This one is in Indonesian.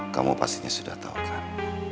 kamu pastinya sudah tahu kan